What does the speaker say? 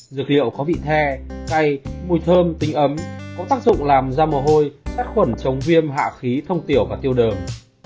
dược liệu có vị the cay mùi thơm tinh ấm có tác dụng làm da mồ hôi sát khuẩn chống viêm hạ khí thông tiểu và tiêu đờm